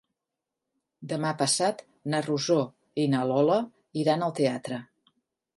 Demà passat na Rosó i na Lola iran al teatre.